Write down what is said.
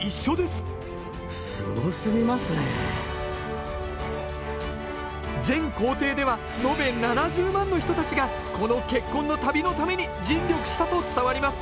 すごすぎますね全行程ではのべ７０万の人たちがこの結婚の旅のために尽力したと伝わります。